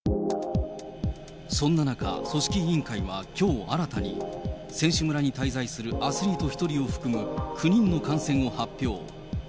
そんな中、組織委員会はきょう新たに、選手村に滞在するアスリート１人を含む９人の感染を発表。